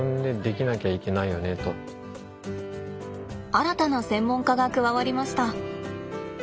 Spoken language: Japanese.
新たな専門家が加わりました。